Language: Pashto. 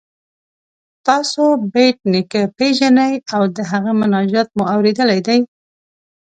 تاسو بېټ نیکه پيژنئ او د هغه مناجات مو اوریدلی دی؟